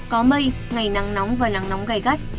có mây ngày nắng nóng và nắng nóng gai gắt